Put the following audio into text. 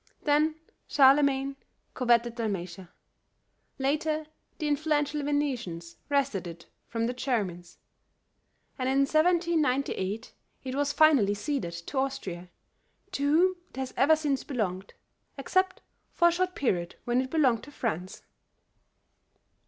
Then Charlemagne coveted Dalmatia; later the influential Venetians wrested it from the Germans; and in 1798 it was finally ceded to Austria, to whom it has ever since belonged, except for a short period when it belonged to France.